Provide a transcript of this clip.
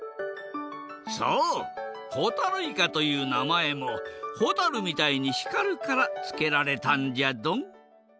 そうほたるいかというなまえもほたるみたいに光るからつけられたんじゃドン。